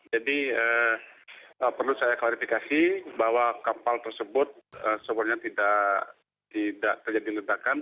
jadi perlu saya klarifikasi bahwa kapal tersebut sebenarnya tidak terjadi ledakan